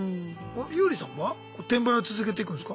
ユーリさんは転売は続けていくんですか？